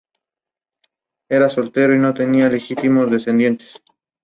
Se han observado movimientos de derrubios en dunas de este cráter.